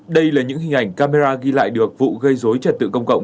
đây là những hình ảnh camera ghi lại được vụ gây dối trật tự công cộng